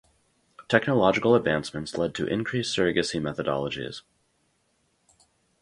Technological advancements led to increased surrogacy methodologies.